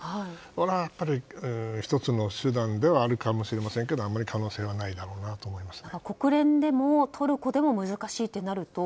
それは１つの手段ではあるかもしれませんけどあまり可能性はないだろうなと思います。